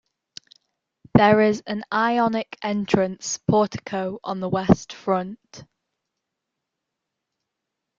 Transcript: There is an Ionic entrance portico on the west front.